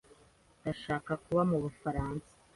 Ndashaka kuba mu Bufaransa.